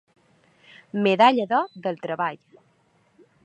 Medalla d'or del Treball.